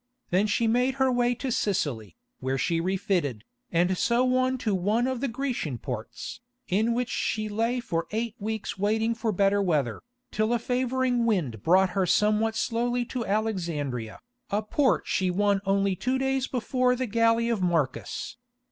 Then she made her way to Sicily, where she refitted, and so on to one of the Grecian ports, in which she lay for eight weeks waiting for better weather, till a favouring wind brought her somewhat slowly to Alexandria, a port she won only two days before the galley of Marcus.